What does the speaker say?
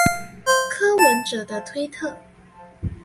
柯文哲的推特